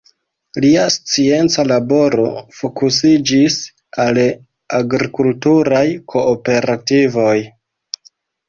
Lia scienca laboro fokusiĝis al agrikulturaj kooperativoj.